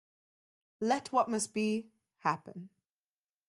Let what must be, happen.